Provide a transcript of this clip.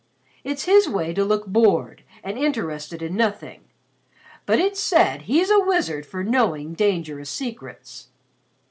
It's his way to look bored, and interested in nothing, but it's said he's a wizard for knowing dangerous secrets."